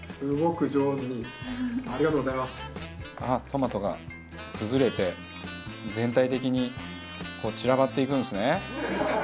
トマトが崩れて全体的に散らばっていくんですね。